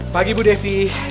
pagi bu devi